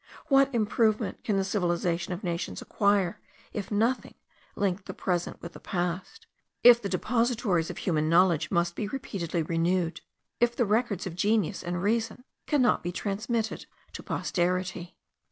What improvement can the civilization of nations acquire if nothing link the present with the past; if the depositories of human knowledge must be repeatedly renewed; if the records of genius and reason cannot be transmitted to posterity?